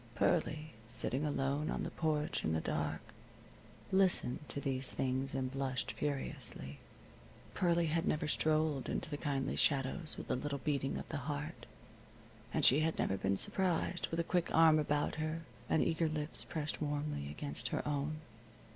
Pearlie, sitting alone on the porch in the dark, listened to these things and blushed furiously. Pearlie had never strolled into the kindly shadows with a little beating of the heart, and she had never been surprised with a quick arm about her and eager lips pressed warmly against her own.